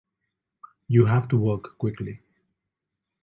You have to work quickly.